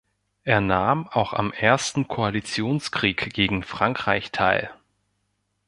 Er nahm auch am Ersten Koalitionskrieg gegen Frankreich teil.